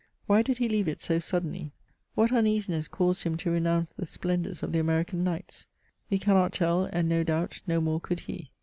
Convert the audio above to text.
Why did he leave it so suddenly ? what uneasiness caused him to renounce the splendours of the American nights ? We cannot tell, and no doubt no more could he.